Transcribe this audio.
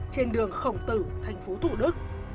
trên đường khổng tử thành phố thủ đức